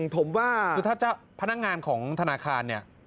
ผมว่าคือถ้าเจ้าพนักงานของธนาคารเนี่ย